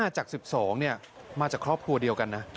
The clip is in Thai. จาก๑๒มาจากครอบครัวเดียวกันนะ